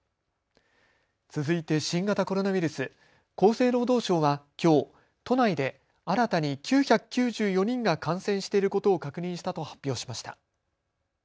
続いて新型コロナウイルス、厚生労働省はきょう都内で新たに９９４人が感染していることを確認したと発表しました。